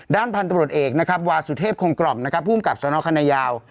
ด้านพันธ์ตำรวจเอกนะครับวาสุเทพคงกร่อมนะครับผู้อุ้มกับสนคณะยาว